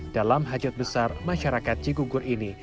dalam hajat besar masyarakat cigugur ini